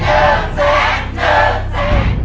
หนึ่งเสมง